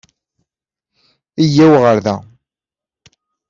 Iyyaw ɣer da.